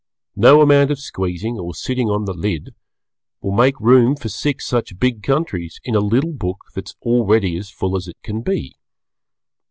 No amount of squeezing (or sitting on the lid) will make room for six such big countries in a little book that is already as full as it can be.